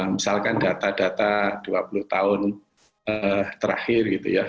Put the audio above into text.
misalkan data data dua puluh tahun terakhir gitu ya